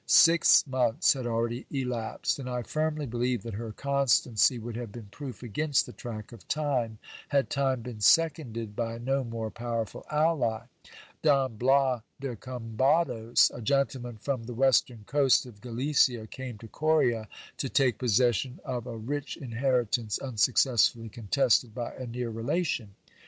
Six months had already elapsed, and I firmly believe that her constancy would have been proof against the track of time, had time been seconded by no more powerful ally. Don Bias de Combados, a gentleman from the western coast of Galicia, came to Coria, to take possession of a rich inheritance unsuccessfully contested by a near relation.